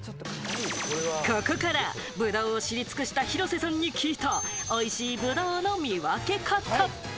ここからブドウを知り尽くした広瀬さんに聞いた、おいしいブドウの見分け方。